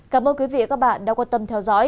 cảm ơn quý vị và các bạn đã quan tâm theo dõi